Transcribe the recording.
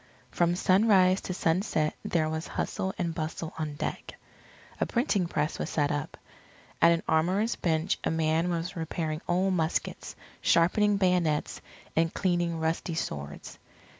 From sunrise to sunset there was hustle and bustle on deck. A printing press was set up. At an armourer's bench a man was repairing old muskets, sharpening bayonets, and cleaning rusty swords.